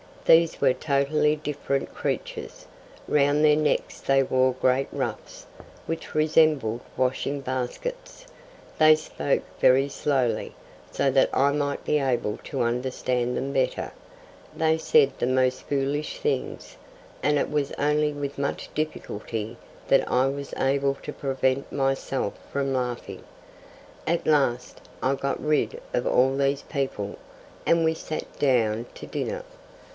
These were totally different creatures. Round their necks they wore great ruffs, which resembled washing baskets. They spoke very slowly, so that I might be able to understand them better. They said the most foolish things, and it was only with much difficulty that I was able to prevent myself from laughing. At last I got rid of all these people, and we sat down to dinner.